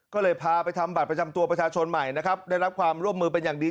ก็เลยพาไปทำบัตรประจำตัวประชาชนใหม่นะครับได้รับความร่วมมือเป็นอย่างดี